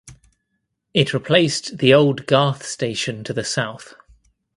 It replaced the old Garth station to the south.